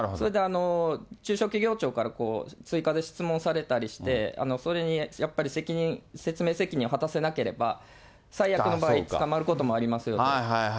それで中小企業庁から追加で質問されたりして、それにやっぱり説明責任を果たせなければ、最悪の場合、捕まることもありますよと。